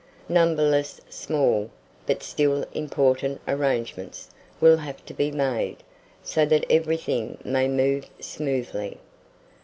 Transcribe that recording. Numberless small, but still important arrangements, will have to be made, so that everything may move smoothly.